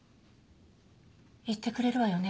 行ってくれるわよね？